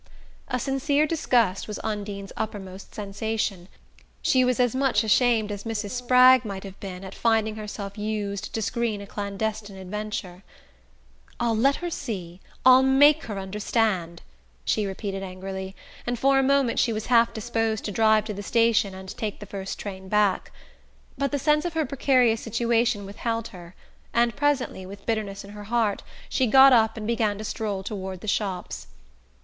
A sincere disgust was Undine's uppermost sensation. She was as much ashamed as Mrs. Spragg might have been at finding herself used to screen a clandestine adventure. "I'll let her see... I'll make her understand," she repeated angrily; and for a moment she was half disposed to drive to the station and take the first train back. But the sense of her precarious situation withheld her; and presently, with bitterness in her heart, she got up and began to stroll toward the shops.